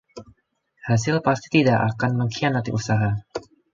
Hasil pasti tidak akang mengkhianati usaha.